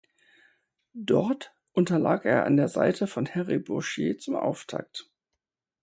Dort unterlag er an der Seite von Harry Bourchier zum Auftakt.